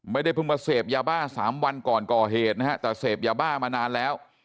ไม่ได้เพิ่งมาเสพยาบ้า๓วันก่อนก่อเหตุนะฮะแต่เสพยาบ้ามานานแล้ว